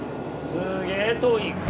すげえ遠い。